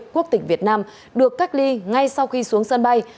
quốc tịch việt nam được cách ly ngay sau khi xuống sân bay